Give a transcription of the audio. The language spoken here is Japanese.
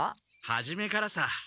はじめからさ。